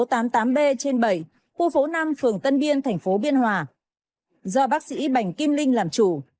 số tám mươi tám b trên bảy khu phố năm phường tân biên thành phố biên hòa do bác sĩ bảnh kim linh làm chủ